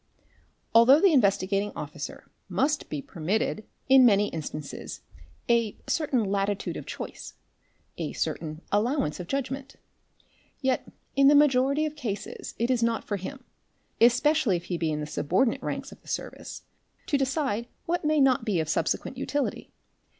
Although the Investigating Officer must be permitted in many instances a certain latitude of choice, a certain allowance of judg ment, yet in the majority of cases it is not for him, especially if he be in the subordinate ranks of the service, to decide what may not be of subsequent utility.